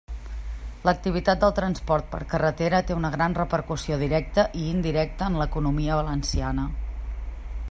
L'activitat del transport per carretera té una gran repercussió directa i indirecta en l'economia valenciana.